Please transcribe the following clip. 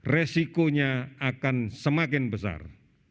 resikonya akan semakin besar